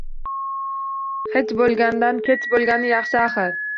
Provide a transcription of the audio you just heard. Hech boʼlgandan kech boʼlgani yaxshi axir